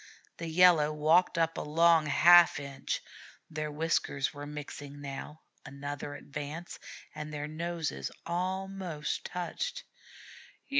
The Yellow walked up a long half inch; their whiskers were mixing now; another advance, and their noses almost touched.